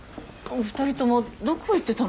２人ともどこ行ってたの？